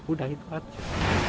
udah itu aja